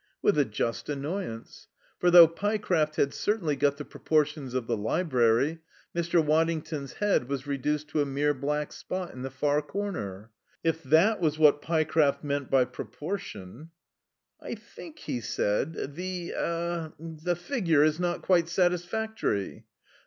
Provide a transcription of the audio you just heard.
With a just annoyance. For though Pyecraft had certainly got the proportions of the library, Mr. Waddington's head was reduced to a mere black spot in the far corner. If that was what Pyecraft meant by proportion "I think," he said, "the er the figure is not quite satisfactory."